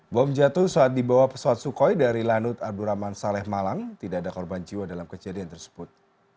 bom jatuh saat dibawa pesawat sukhoi dari lanut abdurrahman saleh malang tidak ada korban jiwa dalam kejadian tersebut